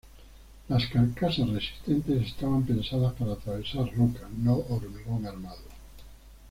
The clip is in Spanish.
Las carcasas resistentes estaban pensadas para atravesar roca, no hormigón armado.